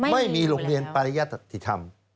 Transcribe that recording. ไม่มีโรงเรียนปริยติธรรม